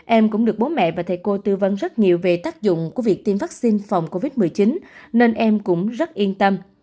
em cũng được bố mẹ và thầy cô tư vấn rất nhiều về tác dụng của việc tiêm vaccine phòng covid một mươi chín nên em cũng rất yên tâm